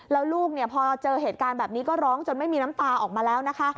แล้วลูกพอเจอเหตุการณ์แบบนี้ก็ร้องจนไม่มีน้ำตาออกมาแล้วนะคะ